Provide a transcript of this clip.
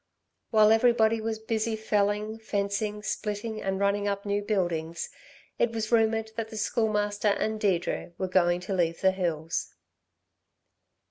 While everybody was busy, felling, fencing, splitting, and running up new buildings, it was rumoured that the Schoolmaster and Deirdre were going to leave the hills.